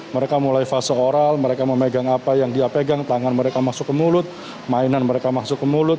mereka mulai fase oral mereka memegang apa yang dia pegang tangan mereka masuk ke mulut mainan mereka masuk ke mulut